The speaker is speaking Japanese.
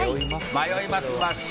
迷います。